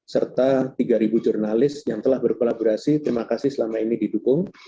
serta tiga jurnalis yang telah berkolaborasi terima kasih selama ini didukung